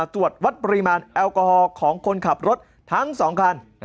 ตรวจวัดปริมาณแอลกอฮอล์ของคนขับรถทั้ง๒คัน